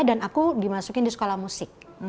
dan aku dimasukin di sekolah musik